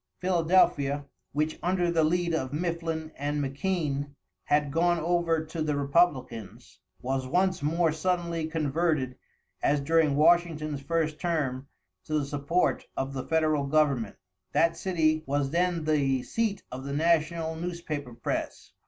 Philadelphia, which under the lead of Mifflin and McKean, had gone over to the Republicans, was once more suddenly converted as during Washington's first term to the support of the federal government. That city was then the seat of the national newspaper press.